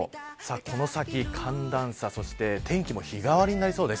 この先寒暖差、そして天気も日替わりになりそうです。